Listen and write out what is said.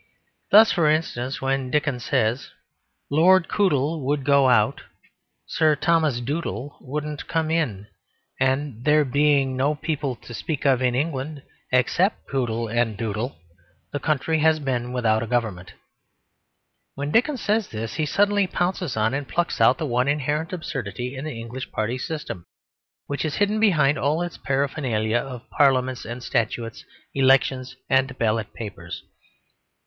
Thus for instance when Dickens says, "Lord Coodle would go out; Sir Thomas Doodle wouldn't come in; and there being no people to speak of in England except Coodle and Doodle the country has been without a Government"; when Dickens says this he suddenly pounces on and plucks out the one inherent absurdity in the English party system which is hidden behind all its paraphernalia of Parliaments and Statutes, elections and ballot papers.